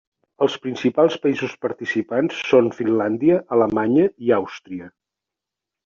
Els principals països participants són Finlàndia, Alemanya i Àustria.